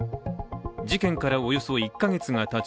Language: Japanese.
事件からおよそ１か月がたち